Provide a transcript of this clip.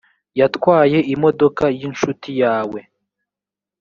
yatwaye imodoka y’inshuti yawe